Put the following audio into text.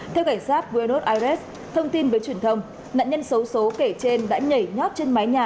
theo cảnh sát buenos aires thông tin với truyền thông nạn nhân xấu xố kể trên đã nhảy nhót trên mái nhà